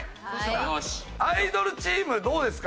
アイドルチームどうですか？